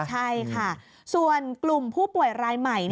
ใช่ค่ะส่วนกลุ่มผู้ป่วยรายใหม่